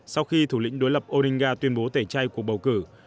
sau khi thủ lĩnh đối lập odinga tuyên bố tẩy chay cuộc bầu cử